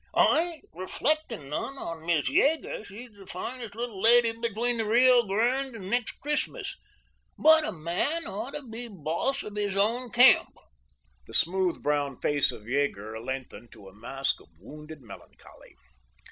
I ain't reflectin' none on Miz Yeager—she's the finest little lady between the Rio Grande and next Christmas—but a man ought to be boss of his own camp." The smooth, brown face of Yeager lengthened to a mask of wounded melancholy.